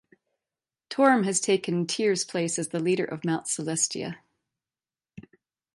Torm has taken Tyr's place as the leader of Mount Celestia.